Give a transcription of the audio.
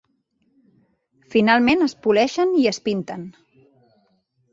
Finalment es poleixen i es pinten.